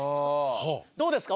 どうですか？